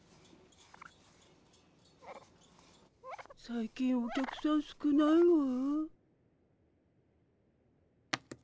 最近お客さん少ないわ。